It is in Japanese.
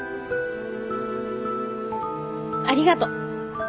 ありがと。